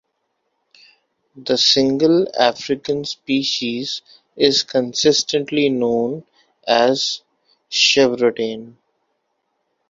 The single African species is consistently known as "chevrotain".